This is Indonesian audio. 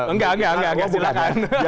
enggak enggak enggak silahkan